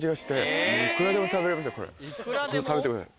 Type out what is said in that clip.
食べて。